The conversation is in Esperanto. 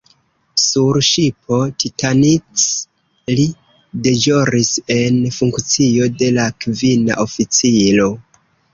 Sur ŝipo "Titanic" li deĵoris en funkcio de la kvina oficiro.